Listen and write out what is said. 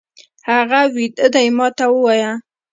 هغه ويده دی، ما ته ووايه!